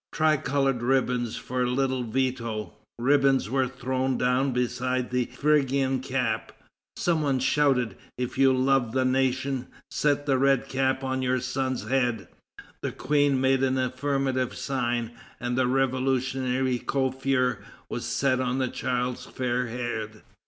Tri colored ribbons for little Veto!" Ribbons were thrown down beside the Phrygian cap. Some one shouted: "If you love the nation, set the red cap on your son's head." The Queen made an affirmative sign, and the revolutionary coiffure was set on the child's fair head.